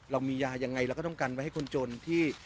เรามียายังไงเราก็ต้องกันไว้ให้คนจนที่